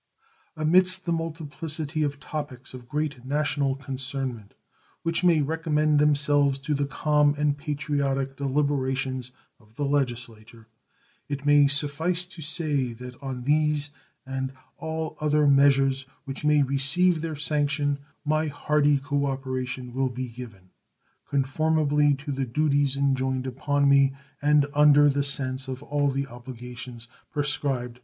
Amidst the multiplicity of topics of great national concernment which may recommend themselves to the calm and patriotic deliberations of the Legislature, it may suffice to say that on these and all other measures which may receive their sanction my hearty cooperation will be given, conformably to the duties enjoined upon me and under the sense of all the obligations prescribed by the Constitution.